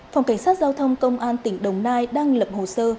phòng cảnh sát giao thông công an tỉnh đồng nai đang lập hồ sơ